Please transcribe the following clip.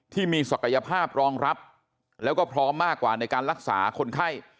ที่มีศักยภาพรองรับแล้วก็พร้อมมากกว่าในการรักษาคนไข้